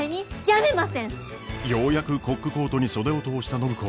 ようやくコックコートに袖を通した暢子。